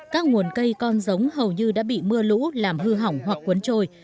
các nguồn cây con giống hầu như đã bị mưa lũ làm hư hỏng hoặc quấn trôi